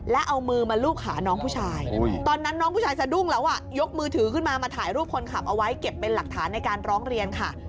แล้วเอามือมาลูบขาน้องผู้ชายตอนนั้นน้องผู้ชายสะดุ้งแล้วยกมือถือขึ้นมามาถ่ายรูปคนขับเอาไว้เก็บเป็นหลักฐานในการร้องเรียนค่ะ